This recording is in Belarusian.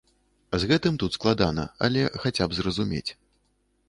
З гэтым тут складана, але хаця б зразумець.